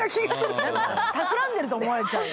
たくらんでるって思われちゃうよ。